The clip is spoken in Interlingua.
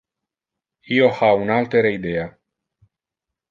Io ha un altere idea.